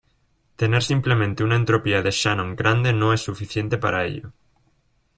Tener simplemente una entropía de Shannon grande no es suficiente para ello.